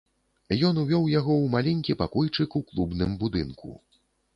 Ён увёў яго ў маленькі пакойчык у клубным будынку.